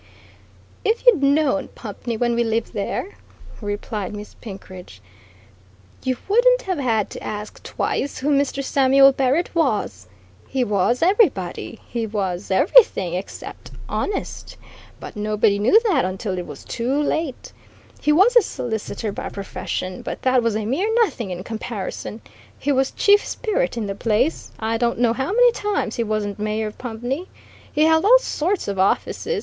"If you'd known Pumpney when we lived there," replied Miss Penkridge, "you wouldn't have had to ask twice who Mr. Samuel Barrett was. He was everybody. He was everything except honest. But nobody knew that until it was too late. He was a solicitor by profession, but that was a mere nothing in comparison. He was chief spirit in the place. I don't know how many times he wasn't mayor of Pumpney. He held all sorts of offices.